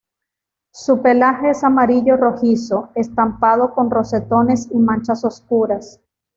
Su pelaje es amarillo rojizo, estampado con rosetones y manchas oscuras.